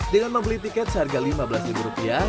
dengan membeli tiket seharga lima belas rupiah